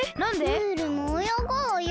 ムールもおよごうよ。